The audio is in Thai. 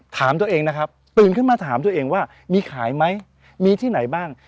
ถามตัวเองนะครับตื่นขึ้นมาถามตัวเองว่ามีขายไหมมีที่ไหนบ้าง